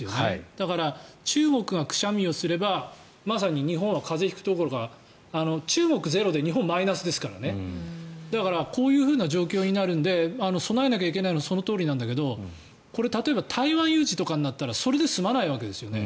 だから、中国がくしゃみをすればまさに日本は風邪を引くどころか中国ゼロで日本マイナスですからね。こういう状況になるんで備えなきゃいけないのはそのとおりだけど例えば、台湾有事とかになったらそれで済まないわけですよね。